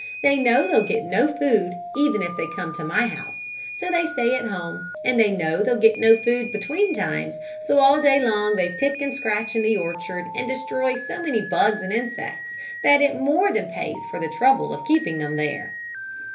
They know they'll get no food even if they come to my house, so they stay at home. And they know they'll get no food between times, so all day long they pick and scratch in the orchard, and destroy so many bugs and insects that it more than pays for the trouble of keeping them there."